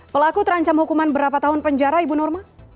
pelaku terancam hukuman berapa tahun penjara ibu nurma